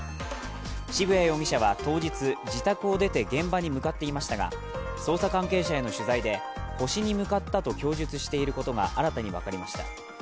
渋谷容疑者は当日、自宅を出て現場に向かっていましたが捜査関係者への取材で星に向かったと供述していることが新たに分かりました。